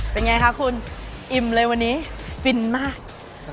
เป็นไงคะคุณอิ่มเลยวันนี้ฟินมาก